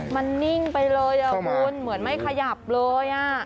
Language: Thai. มันนิ่งไปเลยคุณเหมือนไม่ขยับเลย